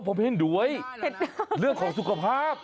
ผมเห็นด้วยเรื่องของสุขภาพ